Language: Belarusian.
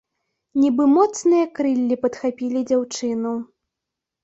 Нібы моцныя крыллі падхапілі дзяўчыну.